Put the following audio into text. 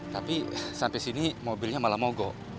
tapi sampai sini mobilnya malah mogok